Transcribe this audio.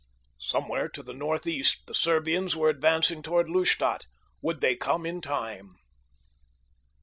Somewhere to the northeast the Serbians were advancing toward Lustadt. Would they come in time?